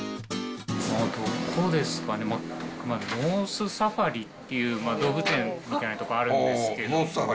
どこですかね、ノースサファリっていう動物園みたいな所があるんですけど。